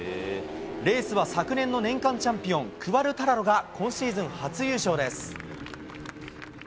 レースは昨年の年間チャンピオン、クアルタラロが今シーズン初優勝です。